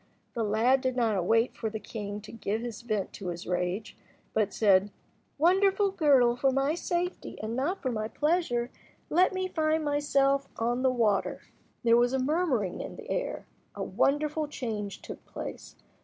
The lad did not await for the king to give vent to his rage, but said— "Wonderful girdle, for my safety, and not for my pleasure, let me find myself on the water." There was a murmuring in the air. A wonderful change took place.